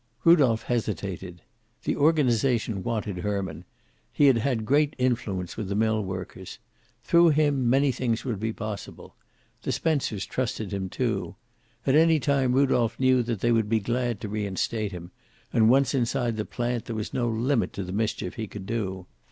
Rudolph hesitated. The organization wanted Herman; he had had great influence with the millworkers. Through him many things would be possible. The Spencers trusted him, too. At any time Rudolph knew they would be glad to reinstate him, and once inside the plant, there was no limit to the mischief he could do.